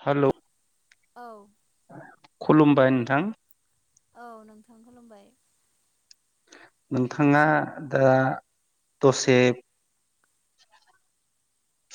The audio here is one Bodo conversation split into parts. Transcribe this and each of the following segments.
हेल' औ खुलुमबाय नोंथां औ नोंथां खुलुमबाय नोंथाङा दा दसे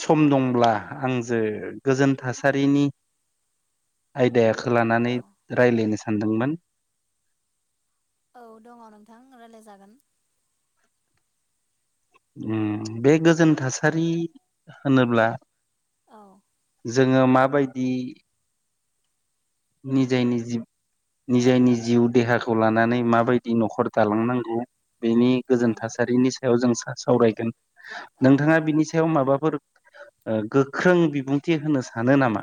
सम दंब्ला आंजों गोजोन थासारिनि आयदाखौ लानानै औ रायलायनो सानदोंमोन औ दङ नोंथां रायलायजागोन ओम बे गोजोन थासारि होनोब्ला औ जोङो माबायदि निजाय निजि निजायनि जिउ देहाखौ लानानै माबायदि न'खर दालांनांगौ बेनि औ गोजोन थासारिनि सायाव जों सा-सावरायगोन। औ नोंथाङा बिनि सायाव माबा फोर गोख्रों बिबुंथि होनो सानो नामा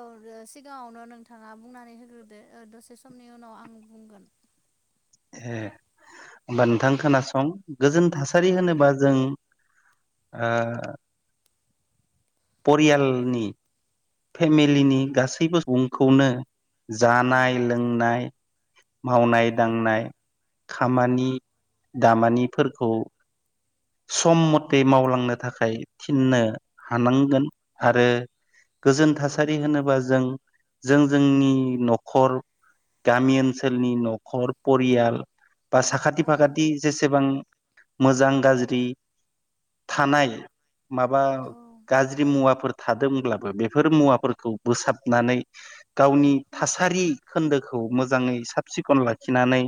औ ओ सिगाङावनो नोंथाङा बुंनानै होग्रोदो ओ दसे समनि उनाव आं बुंगोन ए औ होमबा नोंथां खोनासं गोजोन थासारि औ होनोबा जों आ परियालनि फेमिलिनि गासैबो सुबुंखौनो औ जानाय लोंनाय मावनाय- दांनाय खामानि दामानिफोरखौ सम मथे मावलांनो थाखाय थिननो हानांगोन आरो गोजोन थासारि होनोबा जों जों जोंनि न'खर गामि ओनसोलनि न'खर परियाल बा साखाथि औ फाखाथि जेसेबां मोजां गाज्रि थानाय माबा औ गाज्रि मुवाफोर थादोंब्लाबो बेफोर मुवाफोरखौ बोसाबनानै गावनि थासारि खोन्दोखौ मोजाङै साब -सिखन लाखिनानै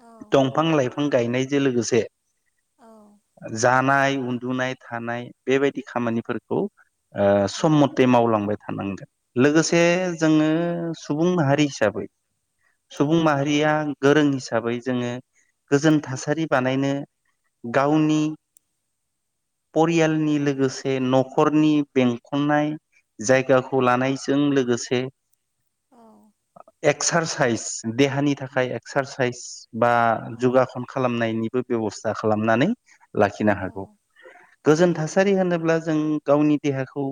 औ दंफां-लाइफां गायनायजों लोगोसे औ जानाय उन्दुनाय थानाय बेबायदि खामानिफोरखौ ओ सम मथे मावलांबाय थानांगोन लोगोसे औ जोङो सुबुं हारि हिसाबै सुबुं औ माहारिया गोरों हि हिसाबै जोङो गोजोन थासारि बानायनो गावनि परियालनि औ लोगोसे न'खरनि बेंखननाय जायगाखौ लानायजों लोगोसे एक्सारसाइस देहानि थाखाय एक्सारसाइस बा जगाखन खालामनायनि बो बेबसथा खालामनानै लाखिनो हागौ। दा जों थासा औ थासारि होनोब्ला जों गावनि देहाखौ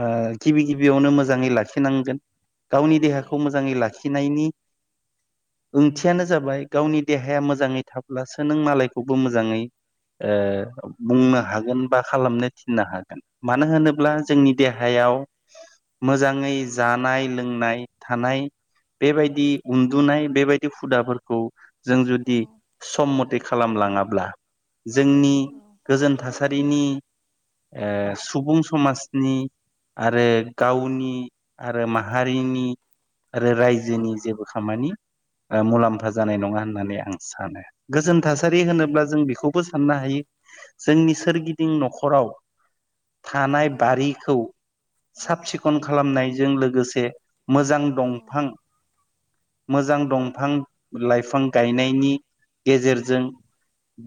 ओ गिबि गिबियावनो मोजाङै लाखिनांगोन गावनि औ देहाखौ मोजाङै लाखि नायनि ओंथियानो जाबाय गावनि देहाया मोजाङै थाब्लासो नों मालायखौबो मोजाङै ए बुंनो हागोन बा खालामनो थिननो हागोन मानो होनोब्ला जोंनि देहायाव मोजाङै जानाय- लोंनाय थानाय बेबायदि उन्दुनाय बेबायदि हुदाफोरखौ जों औ जुदि सम मथे खालामब्ला लाङाब्ला औ जोंनि नंगौ गोजोन थासारिनि ओ सुबुं समाजनि आरो गावनि आरो माहारिनि आरो औ रायजोनि जेबो खामानि ओ मुलाम्फा जानाय नङा होननानै आं सानो गोजोन थासारि औ होनोब्ला जों बेखौबो साननो हायो यो जोंनि सोरगिदिं न'खराव थानाय औ बारिखौ साब सिखन खालामनायजों लोगोसे मोजां औ दंफां मोजां दंफां लाइफां गायनायनि गेजेरजों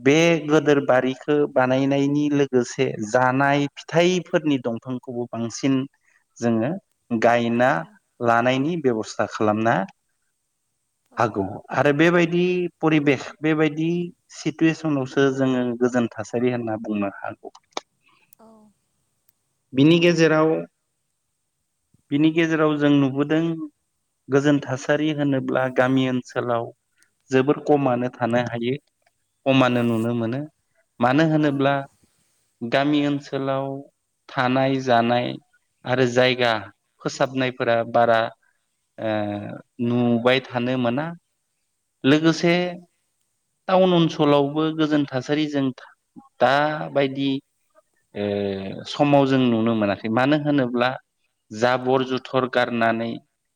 बे गोदोर बारिखौ बानाय नायनायनि लोगोसे जानाय फिथाइफोरनि दंफांखौबो बांसिन जोङो गायना औ लानायनि बेब'स्था खालामना औ हागौ आरो बेबायदि बि परिबेक बेबायदि सिथुएसनावसो जोङो गोजोन थासारि बिदि होनना बुंनो हागौ औ बिनि गेजेराव बिनि गेजेराव जों नुबोदों गोजोन थासारि होनोब्ला गामि ओनसोलाव जोबोर खमानो थानो हायो खमानो नुनो मोनो मानो होनोब्ला गामि ओनसोलाव थानाय जानाय आरो जायगा फोसाबनायफोरा बारा ओ नुबाय थानो मोना औ लोगोसे टाउन ओनसोलावबो गोजोन थासारिजों दाबायदि ए समाव जों नुनो मोनाखै मानो होनोब्ला जाबर औ जुथर गारनानै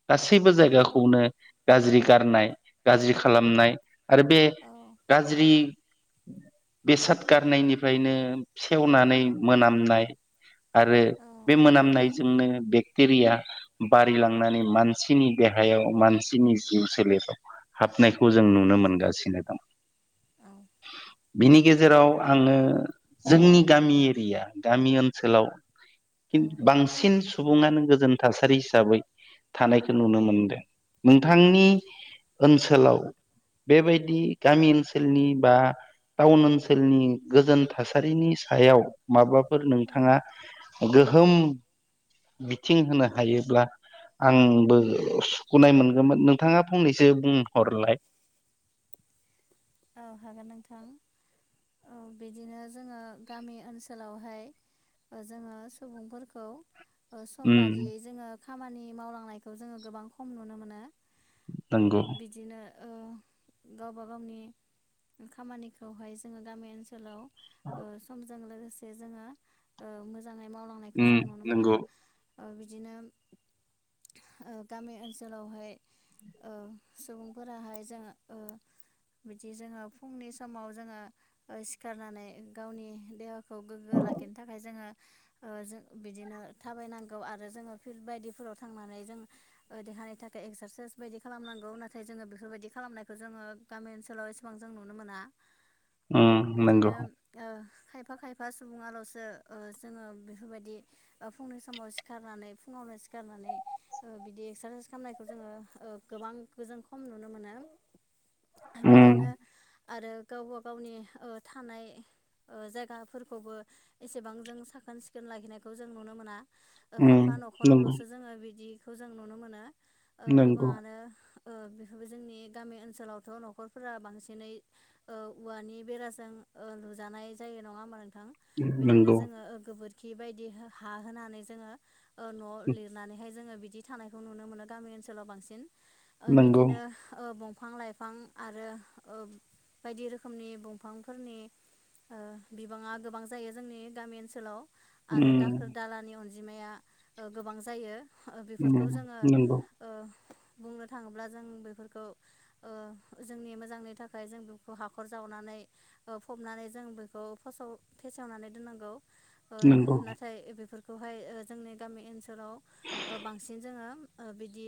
गासैबो जायगाखौनो गाज्रि गारनाय गाज्रि खालामनाय आरो बे गाज्रि बेसाद गारनायनिफ्रायनो सेवनानै मोनामनाय आरो बे मोनामनायजोंनो बेक्टेरिया बारिलांनानै मानसिनि देहा गाहायाव मानसिनि जिउ सोलेराव हाबनायखौ जों नुनो मोनगासिनो दं बिनि गेजेराव आङो जोंनि गामि एरिया गामि ओनसोलाव खिन्थु बांसिन सुबुङानो गोजोन थासारि हिसाबै थानायखौ नुनो मोनदों नोंथांनि ओनसोलाव बेबायदि गामि ओनसोलनि बा टाउन ओनसोलनि गोजोन थासारिनि सायाव माबाफोर नोंथाङा गोहो होम बिथिं होनो हायोब्ला आंबो सुखुनाय मोनगौमोन नोंथाङा फंनैसो बुंहरलाय [unintelligible] औ हागोन नोंथां औ बिदिनो जोङो गामि ओनसोलावहाय जोङो सुबुंफोरखौ सम उम बादियै जोङो खामानि मावलांनायखौ जोङो गोबां खम नुनो मोनो ओम नंगौ बिदिनो ओ गावबा गावनि खामानिखौहाय जोङो गामि ओनसोलाव ओ समजों लोगोसे से जोङो मोजाङै मावलांनायखौ उम जों नुनो मोना। नंगौ बिदिनो ओ गामि ओनसोलावहाय ओ सुबुंफोराहाय जोङो ओ बिदि जोङो फुंनि समाव जोङो सिखारनानै गावनि देहाखौ गोग्गो लाखि बेनि थाखाय जोङो ज बिदिनो थाबायनांगौ आरो जोङो फिल्ड बायदिफोराव थांनानै जों देहानि थाखाय एक्सारसाइस बायदि खालामनांगौ नाथाय जोङो बेफोरबायदि खालामखौ जोङो गामि ओनसोल सोलाव एसेबां जों नुनो मोना औ उम नंगौ बिदिनो ओ खायफा-खायफा सुबुङाल'सो जोङो बेफोरबायदि फुंनि समाव सिखारनानै फुङाव सिखारनानै ओ बिदि एक्सारसाइस खालामनायखौ जोङो ओ गोबां गोजों खम नुनो मोनो। [unintelligible] उम बिदिनो आरो गावबा गावनि ओ थानाय ओ जायगाफोरखौबो एसेबां जों साखोन सिखोन लाखिनायखौ जों नुनो मोना। उम खायफा नंगौ न'खरावल'सो जोङो बिदिखौ जों नुनो मोनो ओ नंगौ गोबाङानो ओ बेफोरबो जोंनि गामि ओनसोलावथ' न नख'रफोरा बांसिनै ओ औवानि बेराजों ओ लुजानाय जायो नङा होमबा नों थां बिदिनो नंगौ जोङो गोबोरखि बायदि हा होनानै जोङो ओ न' लिरनानैहाय जोङो बिदि थानायखौ नुनो मोनो गामि ओनसोलाव बांसिन ओ नंगौ बिदिनो ओ दंफां-लाइफां आरो ओ बायदि रोखोमनि दंफांफोरनि ओ बिबाङा गोबां जायो जोंनि गामि ओनसोलाव। उम आरो दाखोर दालानि अनजिमाया ओ गोबां जायो। उम बेफोरखौ जोङो नंगौ ओ बुंनो थाङोब्ला जों बेफोरखौ ओ जोंनि मोजांनि थाखाय जों बेखौ हाखर जावनानै फबनानै जों बेखौ फेसेव फे सेवनानै दोननांगौ ओ नंगौ नाथाय बेफोर खौहाय जोंनि गामि ओनसोलाव बांसिन जोङो बिदि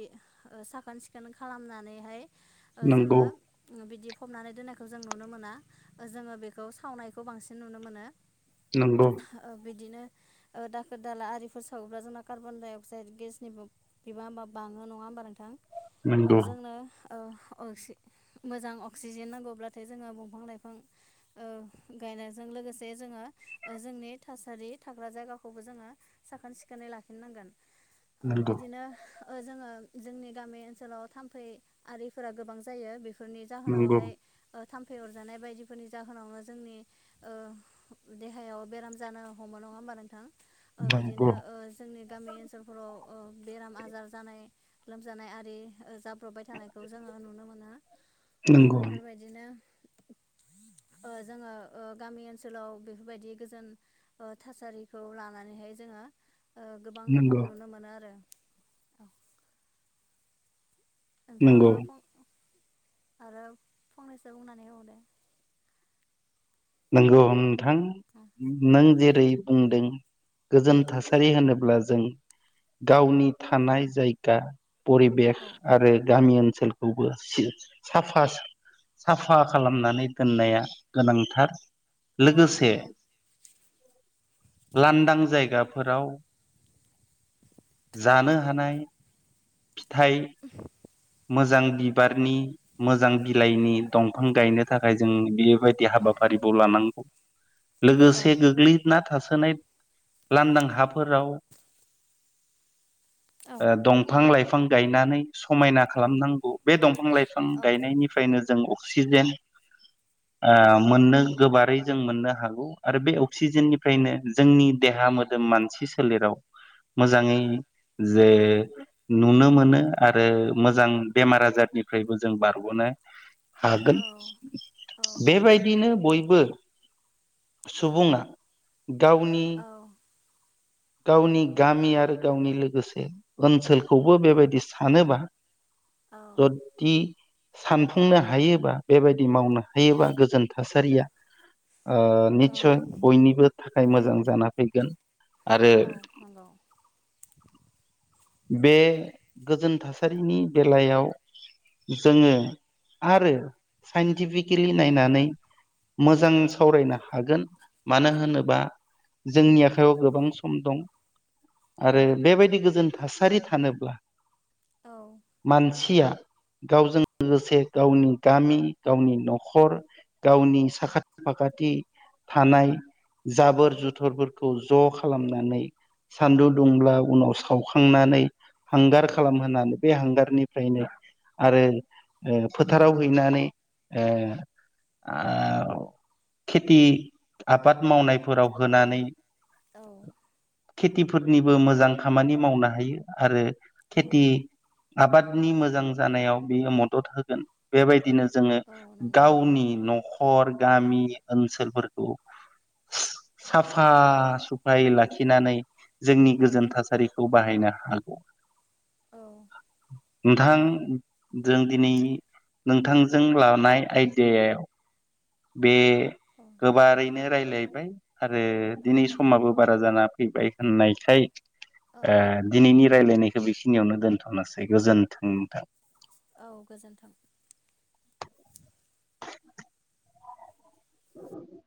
साखोन-सि खोन खालामनानैहाय ओ नंगौ। जोङो बिदि फबनानै दोन्नायखौ जों नुनो मोना जोङो बेखौ सावनायखौ बांसिन नुनो मोनो। नंगौ ओ बिदिनो ओ दाखोर दाला आरिफोर सावोब्ला जोंना कार्बन डाइ अक्साइद गेसनिबो बिबांआ बाङो नङा होमबा नोंथां ओ नंगौ जोंनो ओ-ओ मोजां अक्सिजेन नांगौब्लाथाय जोङो दंफां लाइफां गायनायजों लोगोसे जों जोङो जोंनि थासारि थाग्रा जायगाखौबो जोङो साखोन सिखोनै लाखिनांगोन। ओ नंगौ बिदिनो ओ जोङो जोंनि गामि ओनसोलाव थाम्फै आरिफोरा गोबां जायो बे फोरनि नंगौ जाहोनावहाय ओ थाम्फै अरजानाय बायदिफोरनि जाहोनावनो जोंनि ओ देहायाव बेराम जानो हमो नङा होमबा नोंथां? ओ बिदिनो नंगौ ओ जोंनि गामि ओनसोलफोराव ओ बेराम आजार जानाय लोमजानाय आरि जाब्रब'बाय थानायखौ जोङो ना नंगौ बेफोरबायदिनो [unintelligible] ओ जोङो ओ गामि ओनसोलाव बेफोरबायदि गोजोन ओ थासारिखौ लानानैहाय जोङो गोबां नंगौ खम नुनो मोनो आरो नंगौ नोथांआबो फं आरो फंनैसो बुंनानै होबावदो नोंगौ नोंथां नों जेरै बुंदों औ गोजोन थासारि होनोब्ला जों गावनि थानाय जायगा परिबेस औ आरो गामि ओनसोलखौबो साफा साफा खालामनानै दोननाया गोनांथार। औ लोगोसे नंगौ। लांदां जायगाफोराव जानो हानाय फिथाइ मोजां बिबारनि मोजां बिलाइनि दंफां गायनो थाखाय जों बेबायदि हाबाफारिखौ लानांगौ। औ लोगोसे गोग्लैनाथ' थासोनाय लांदां हाफोराव ओ औ दंफां-लाइफां गायनानै समाय औ खालामनांगौ बे दंफां-लाइफां औ गायनायनिफ्रायनो जों अक्सिजेन मोननो गोबारै जों मोननो हागौ आरो बे अक्सिजेननिफ्रायनो जोंनि देहा देहा मोदोम मानसि सोलेराव मोजाङै जे नुनो मोनो आरो मोजां बेमार आजारनिफ्रायबो जों बारग'नो हागोन औ औ बेबायदिनो बयबो सुबुङा गावनि गावनि गामि आरो गावनि लोगोसे ओनसोलखौबो बेबायदि सानोबा जदि सानफुंनो हायोबा बेबायदि मावनो हायोबा गोजोन थासारिया औ निस्सय बयनिबो थाखाय मोजां जाना फैगोन आरो औ नंगौ बे गोजोन थासारिनि बेलायाव जोङो आरो साइन्टिफिकेलि नायनानै मोजां सावरायनो हागोन मानो होनोबा जोंनि आखायाव गोबां सम दं औ आरो बेबायदि गोजोन थासारि थानोब्ला औ मानसिया गावजों लोगोसे गावनि गामि गावनि नखर गावनि साखाथि फाखाथि थानाय औ जाबोर जुथुरफोरखौ ज खालामनानै सान्दुं दुंब्ला उनाव सावखांनानै हांगार खालामहनानै बे हांगारनिफ्रायनो आरो फोथाराव हैनानै खेथि आबाद मावनाय औ औ खेथिफोरनिबो मोजां खामानि मावनो हायो आरो खेथि आबादनि मोजां जानायाव बियो मदद होगोन बेबायदिनो जोङो औ नंगौ गावनि नर सर गामि ओनसोलफोरखौ साफा औ स लाखिनानै जोंनि औ गोजोन थासारिखौ बाहायनो हागौ औ [unintelligible] नोंथां जों दिनै नोंथांजों लानाय आयडयायाव बे गोबारैनो रायज्लाय सलायबाय आरो औ दिनै समाबो बारा जाना फैबाय होननायखाय औ दिनैनि रायलायनायखौ बेखिनियावनो दोनथ'नोसै गोजोन्थों नोंथां औ गोजोन्थों [unintelligible]